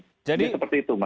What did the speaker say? oke jadi jadi seperti itu